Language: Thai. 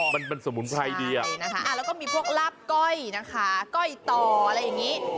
มันสมุนไพรดีนะคะแล้วก็มีพวกลาบก้อยนะคะก้อยต่ออะไรอย่างนี้